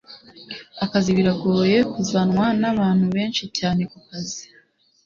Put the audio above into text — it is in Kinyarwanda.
akazi biragoye kuzanwa nabantu benshi cyane kukazi